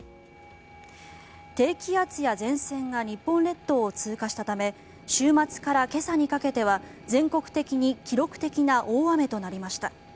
低気圧や前線が日本列島を通過したため週末から今朝にかけては全国的に記録的な大雨となりました。